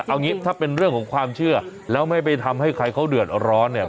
เอางี้ถ้าเป็นเรื่องของความเชื่อแล้วไม่ไปทำให้ใครเขาเดือดร้อนเนี่ย